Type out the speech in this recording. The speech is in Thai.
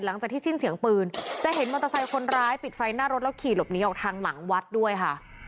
หลังจากที่สิ้นเสียงปืนจะเห็นมอเตอร์ไซค์คนร้ายปิดไฟหน้ารถแล้วขี่หลบหนีออกทางหลังวัดด้วยค่ะ